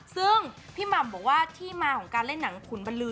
ซึ่งพี่หม่ำบอกว่าที่มาของการเล่นหนังขุนบรรลือ